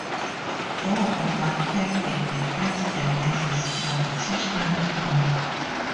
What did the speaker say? Thor overcame a defense device's gravitational power.